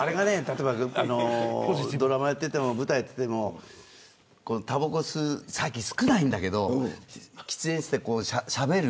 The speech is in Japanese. ドラマやってても舞台やってても最近少ないんだけど喫煙室でしゃべる。